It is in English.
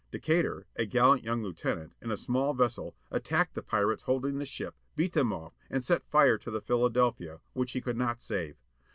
Decatur, a gallant young lieutenant, in a small vessel, attacked the pirates holding the ship, beat them off, and set fire to the Philadelphia, which he could not save.